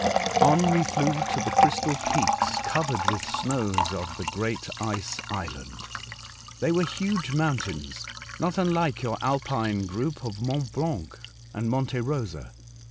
On we flew to the crystal peaks covered with snows of the great Ice Island. They were huge mountains, not unlike your Alpine group of Mont Blanc and Monte Rosa.